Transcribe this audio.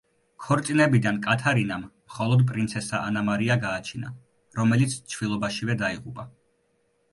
ქორწინებიდან კათარინამ მხოლოდ პრინცესა ანა მარია გააჩინა, რომელიც ჩვილობაშივე დაიღუპა.